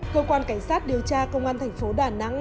cơ quan cảnh sát điều tra công an thành phố đà nẵng